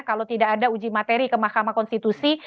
kalau tidak ada uji materi ke mahkamah konstitusi